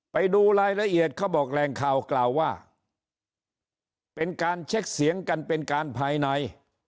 ไปดูรายละเอียดเขาบอกแหล่งข่าวกล่าวว่าเป็นการเช็คเสียงกันเป็นการภายใน